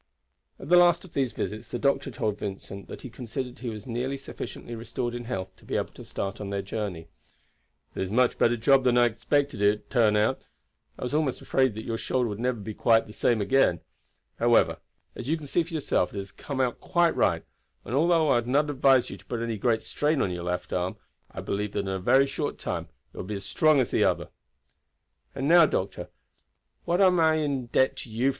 At the last of these visits the doctor told Vincent that he considered he was nearly sufficiently restored in health to be able to start on their journey. "It is a much better job than I had expected it would turn out. I was almost afraid that your shoulder would never be quite square again. However, as you can see for yourself it has come out quite right; and although I should not advise you to put any great strain on your left arm, I believe that in a very short time it will be as strong as the other." "And now, doctor, what am I in debt to you?